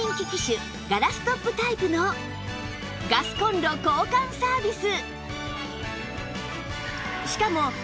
ガラストップタイプのガスコンロ交換サービス！